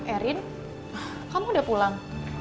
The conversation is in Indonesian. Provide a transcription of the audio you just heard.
erin kamu udah pulang